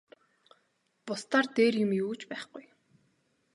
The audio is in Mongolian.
Бусдаар дээр юм юу ч байхгүй.